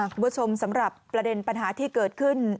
คุณผู้ชมสำหรับประเด็นปัญหาที่เกิดขึ้น